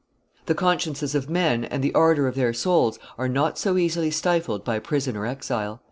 The consciences of men and the ardor of their souls are not so easily stifled by prison or exile.